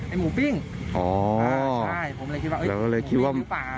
ไอ้หมูปิ้งอ๋ออ่าใช่ผมเลยคิดว่าเอ้ยแล้วก็เลยคิดว่า